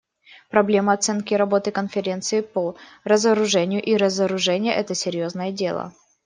Проблема оценки работы Конференции по разоружению и разоружения − это серьезное дело.